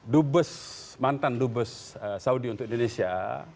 dubes mantan dubes saudi untuk indonesia